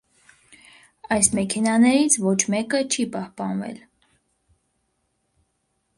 Այս մեքենաներից ոչ մեկը չի պահպանվել։